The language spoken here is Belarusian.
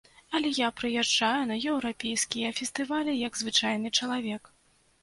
Але я прыязджаю на еўрапейскія фестывалі як звычайны чалавек.